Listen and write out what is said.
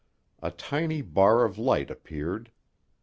A tiny bar of light appeared.